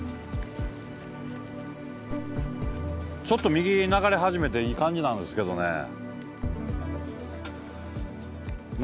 ちょっと右に流れ始めていい感じなんですけどね